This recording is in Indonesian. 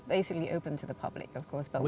jadi ini terbuka kepada masyarakat